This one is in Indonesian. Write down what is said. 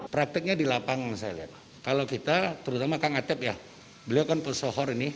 prakteknya di lapangan saya lihat kalau kita terutama kang atep ya beliau kan pesohor ini